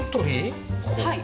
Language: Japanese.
はい。